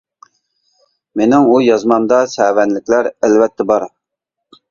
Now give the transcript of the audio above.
مېنىڭ ئۇ يازمامدا سەۋەنلىكلەر ئەلۋەتتە بار.